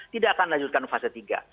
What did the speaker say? tidak akan melanjutkan fase tiga